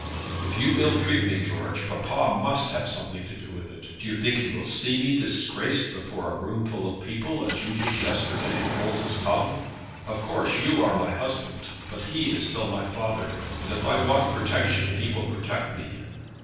"If you ill treat me, George, papa must have something to do with it. Do you think he will see me disgraced before a room full of people, as you did yesterday, and hold his tongue? Of course you are my husband, but he is still my father; and if I want protection he will protect me."